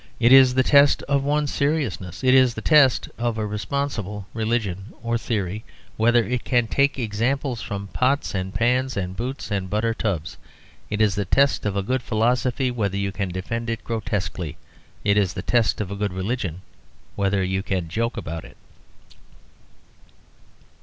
It is the test of one's seriousness. It is the test of a responsible religion or theory whether it can take examples from pots and pans and boots and butter tubs. It is the test of a good philosophy whether you can defend it grotesquely. It is the test of a good religion whether you can joke about it.